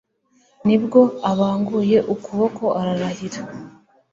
ni bwo abanguye ukuboko ararahira